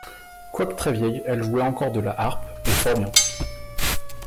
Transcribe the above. Quoique très vieille, elle jouait encore de la harpe, et fort bien.